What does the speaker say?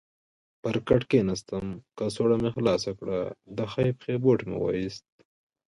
پر کټ کېناستم، کڅوړه مې خلاصه کړل، د ښۍ پښې بوټ مې وایست.